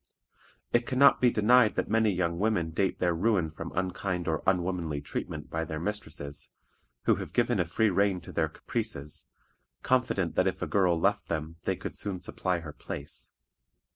It can not be denied that many young women date their ruin from unkind or unwomanly treatment by their mistresses, who have given a free rein to their caprices, confident that if a girl left them they could soon supply her place.